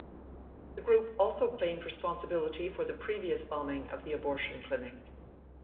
The group also claimed responsibility for the previous bombing of the abortion clinic.